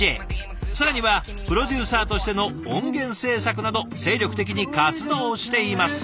更にはプロデューサーとしての音源制作など精力的に活動しています。